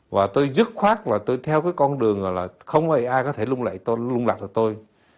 và tôi dứt khoát và tôi theo cái con đường là không ai ai có thể lung lạc với tôi